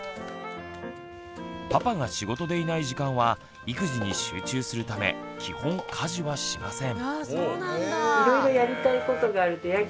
パパが仕事でいない時間は育児に集中するため基本家事はしません。